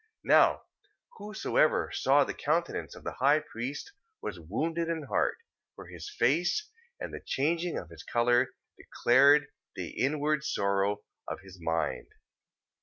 3:16. Now whosoever saw the countenance of the high priest, was wounded in heart: for his face, and the changing of his colour, declared the inward sorrow of his mind.